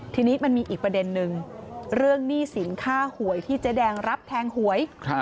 ทีนี้มันมีอีกประเด็นนึงเรื่องหนี้สินค่าหวยที่เจ๊แดงรับแทงหวย